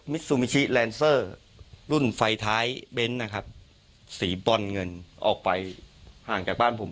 ซูมิชิแลนเซอร์รุ่นไฟท้ายเบนท์นะครับสีบรอนเงินออกไปห่างจากบ้านผม